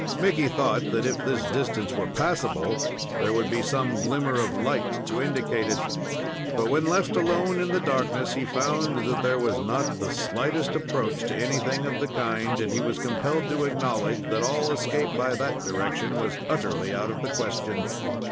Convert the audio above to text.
Mickey thought that if this distance were passable, there would be some glimmer of light to indicate it. But, when left alone in the darkness, he found that there was not the slightest approach to anything of the kind, and he was compelled to acknowledge that all escape by that direction was utterly out of the question.